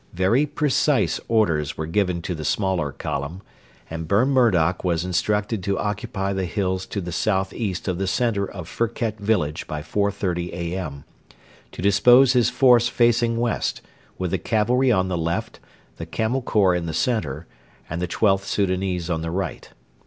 Very precise orders were given to the smaller column, and Burn Murdoch was instructed to occupy the hills to the south east of the centre of Firket village by 4.30 A.M.; to dispose his force facing west, with the cavalry on the left, the Camel Corps in the centre, and the XIIth Soudanese on the right.